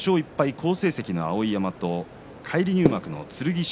好成績の碧山と返り入幕の剣翔。